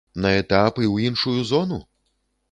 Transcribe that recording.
На этап і ў іншую зону?